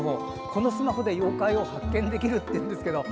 このスマホで妖怪を発見できるっていうんですけど。